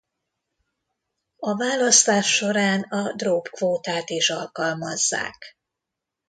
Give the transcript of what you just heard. A választás során a Droop-kvótát is alkalmazzák.